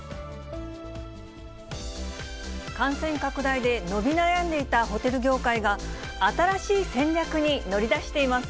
感染拡大で伸び悩んでいたホテル業界が、新しい戦略に乗り出しています。